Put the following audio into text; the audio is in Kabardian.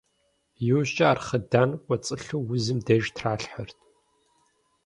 Иужькӏэ ар хъыдан кӏуэцӏылъу узым деж тралъхьэрт.